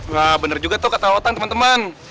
wah bener juga tuh kata otang temen temen